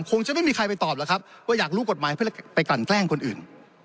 คงจะไม่มีใครไปตอบแล้วครับว่าอยากรู้กฎหมายเพื่อไปกลั่นแกล้งคนอื่น